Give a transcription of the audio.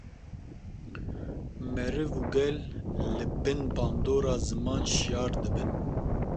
meriv û gel li bin bandora ziman şiyar dibin